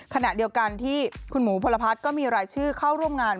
ขณะเดียวกันที่คุณหมูพลพัฒน์ก็มีรายชื่อเข้าร่วมงาน